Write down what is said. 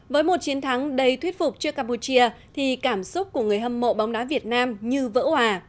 với một chiến thắng đầy thuyết phục trước campuchia thì cảm xúc của người hâm mộ bóng đá việt nam như vỡ hòa